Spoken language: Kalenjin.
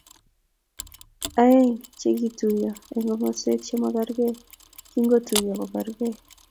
aeng chegituiyo eng komoswek chemagergei kingotuiyo kobirgei